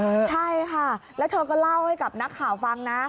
ใช่ค่ะแล้วเธอก็เล่าให้กับนักข่าวฟังนะ